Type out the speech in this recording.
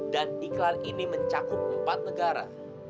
dan iklan ini mencakup empat negara